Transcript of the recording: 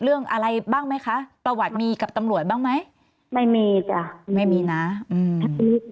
เรื่องอะไรบ้างไหมคะประวัติมีกับตำรวจบ้างไหมไม่มีจ้ะไม่มีนะอืม